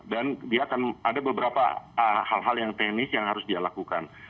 dan dia akan ada beberapa hal hal yang teknis yang harus dia lakukan